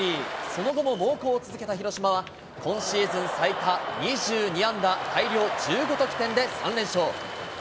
その後も猛攻を続けた広島は、今シーズン最多２２安打、大量１５得点で３連勝。